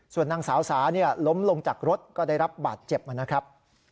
ส่วนนางสาวสาล้มลงจากรถก็ได้รับบาดเจ็บนะครับ